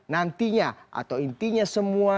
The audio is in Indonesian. nantinya atau intinya semua